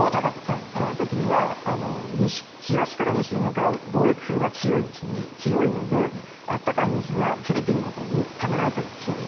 その時には東から西に向かう貿易風が強いので、暖かい水がフィリピンのほうにためられているんです。